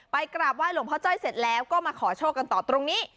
กราบไห้หลวงพ่อจ้อยเสร็จแล้วก็มาขอโชคกันต่อตรงนี้